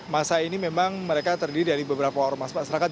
massa ini memang mereka terdiri dari beberapa orang masyarakat